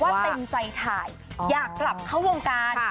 เต็มใจถ่ายอยากกลับเข้าวงการ